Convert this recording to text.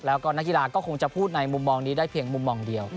แล้วก็นักกีฬาก็คงจะพูดในมุมมองนี้ได้เพียงมุมมองเดียว